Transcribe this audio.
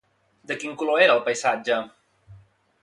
De quin color era el paisatge?